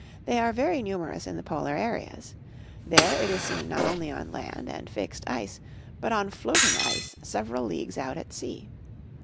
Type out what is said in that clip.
They are very numerous in the polar seas. There it is seen not only on land and fixed ice, but on floating ice several leagues out at sea.